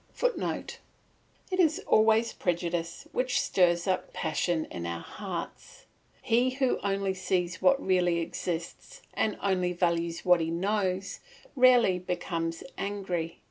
[Footnote: It is always prejudice which stirs up passion in our heart. He who only sees what really exists and only values what he knows, rarely becomes angry.